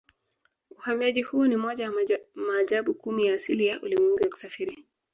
Uhamiaji huo ni moja ya maajabu kumi ya asili ya ulimwengu ya kusafiri